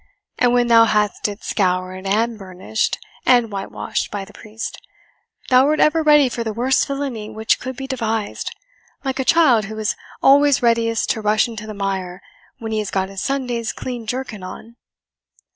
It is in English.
and when thou hadst it scoured, and burnished, and whitewashed by the priest, thou wert ever ready for the worst villainy which could be devised, like a child who is always readiest to rush into the mire when he has got his Sunday's clean jerkin on."